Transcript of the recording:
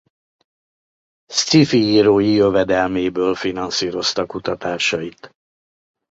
Sci-fi írói jövedelméből finanszírozta kutatásait.